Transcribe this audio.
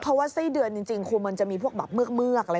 เพราะว่าไส้เดือนจริงควรมันจะมีพวกแบบเมือกอะไรอยู่ใช่ไหม